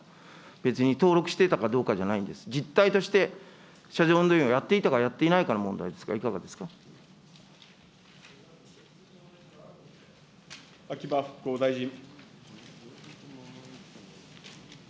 別に登録していたかどうかじゃないんです、実態として車上運動員をやっていたか、やっていないかの問題ですから、秋葉復興大臣。